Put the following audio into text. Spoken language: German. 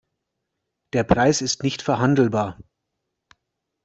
Der Preis ist nicht verhandelbar.